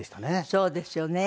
そうですよね。